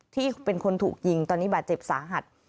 ที่เป็นคนถูกยิงตอนนี้บาดเจ็บสาหัส